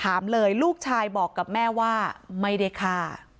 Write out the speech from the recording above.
ถามเลยลูกชายบอกกับแม่ว่าไม่ได้ฆ่า